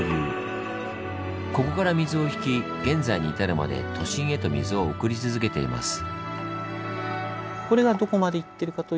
ここから水を引き現在に至るまで都心へと水を送り続けています。